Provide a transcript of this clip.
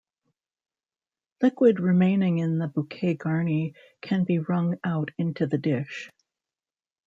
Liquid remaining in the bouquet garni can be wrung out into the dish.